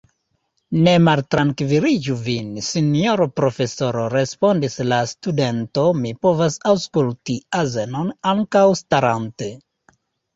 Ne maltrankviligu vin, sinjoro profesoro, respondis la studento, mi povas aŭskulti azenon ankaŭ starante.